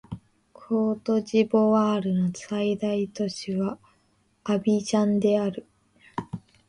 コートジボワールの最大都市はアビジャンである